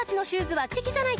はい。